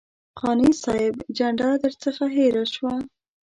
قانع صاحب جنډه درڅخه هېره شوه.